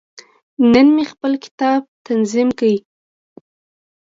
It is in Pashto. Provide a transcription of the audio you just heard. نن مې خپل کتاب تنظیم کړ.